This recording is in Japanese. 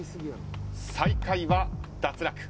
最下位は脱落。